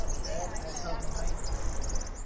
خیر ایسا ہونا ہی تھا۔